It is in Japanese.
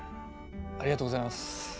ありがとうございます。